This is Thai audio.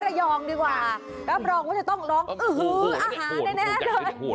ระยองดีกว่ารับรองว่าจะต้องร้องอื้อหืออาหารแน่เลย